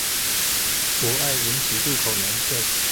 博愛文奇路口南側